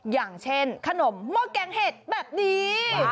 อย่างเช่นขนมหม้อแกงเห็ดแบบนี้